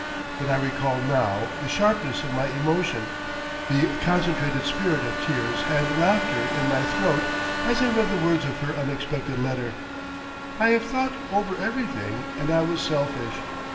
But I recall now the sharpness of my emotion, the concentrated spirit of tears and laughter in my throat as I read the words of her unexpected letter—"I have thought over everything, and I was selfish...."